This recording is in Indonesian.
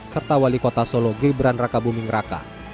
serta wali kota solo gibran raka buming raka